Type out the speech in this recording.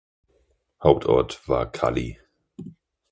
Hauptort war Cully.